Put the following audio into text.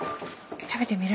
食べてみる？